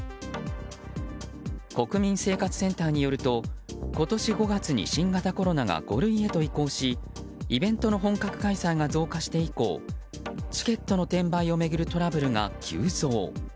国民生活センターによると今年５月に新型コロナが５類へと移行しイベントの本格開催が増加して以降チケットの転売を巡るトラブルが急増。